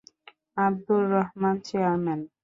Abdur Rahman chairman